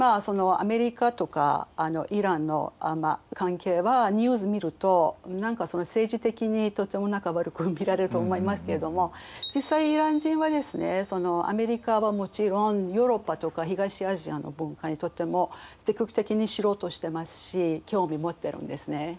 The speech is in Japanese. そのアメリカとかイランの関係はニュース見ると何か政治的にとても悪く見られると思いますけれども実際イラン人はですねアメリカはもちろんヨーロッパとか東アジアの文化にとっても積極的に知ろうとしてますし興味持ってるんですね。